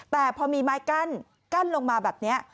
แต่พอมีไม้กั้นกั้นลงมาแบบนี้